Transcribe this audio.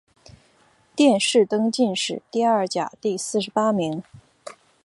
殿试登进士第二甲第四十八名。